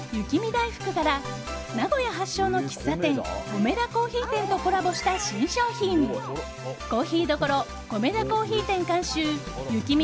だいふくから名古屋発祥の喫茶店コメダ珈琲店とコラボした新商品珈琲所コメダ珈琲店監修雪見